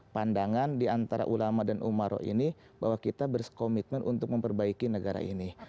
pandangan diantara ulama dan umaro ini bahwa kita berkomitmen untuk memperbaiki negara ini